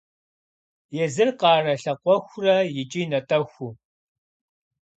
Езыр къарэ лъакъуэхурэ икӀи натӀэхуу.